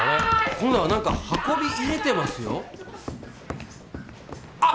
今度は何か運び入れてますよあっ！